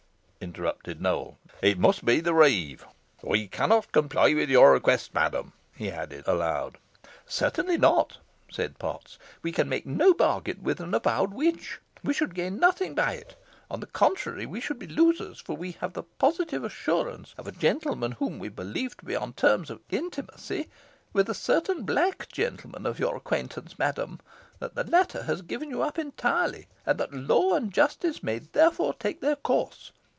interrupted Nowell; "it must be the reeve. We cannot comply with your request, madam," he added, aloud. "Certainly not," said Potts. "We can make no bargain with an avowed witch. We should gain nothing by it; on the contrary, we should be losers, for we have the positive assurance of a gentleman whom we believe to be upon terms of intimacy with a certain black gentleman of your acquaintance, madam, that the latter has given you up entirely, and that law and justice may, therefore, take their course.